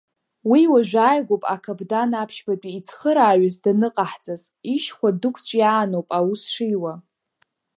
Уи уажәааигәоуп акаԥдан аԥшьбатәи ицхырааҩыс даныҟаҳҵаз, ишьхәа дықәҵәиааноуп аус шиуа.